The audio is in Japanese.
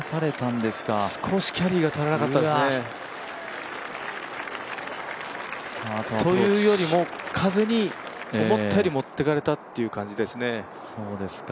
少しキャリーが足らなかったですね。というよりも、風に思ったより持ってかれたという感じですね。